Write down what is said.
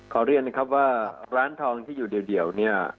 เรียนนะครับว่าร้านทองที่อยู่เดียวเนี่ย